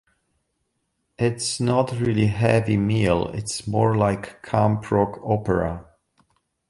It's not really heavy metal, it's more like camp rock opera!